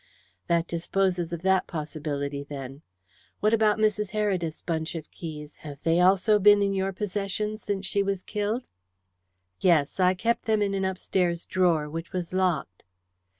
"That disposes of that possibility, then. What about Mrs. Heredith's bunch of keys? Have they also been in your possession since she was killed?" "Yes; I kept them in an upstairs drawer, which was locked."